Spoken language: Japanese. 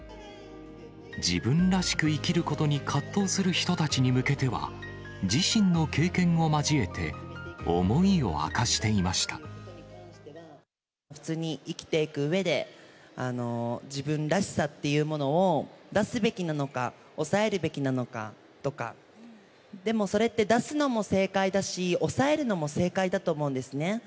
自分らしく生きることに葛藤する人たちに向けては、自身の経験を交えて、思いを明かしていま普通に生きていくうえで、自分らしさっていうものを出すべきなのか、抑えるべきなのかとか、でもそれって、出すのも正解だし、抑えるのも正解だと思うんですね。